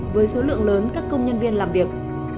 với số lượng lớn các công nhân viên làm việc